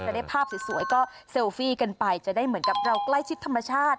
ได้ภาพสวยก็เซลฟี่กันไปจะได้เหมือนกับเราใกล้ชิดธรรมชาติ